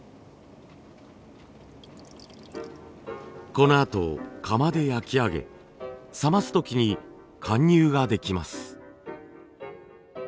このあと窯で焼き上げ冷ます時に貫入ができます。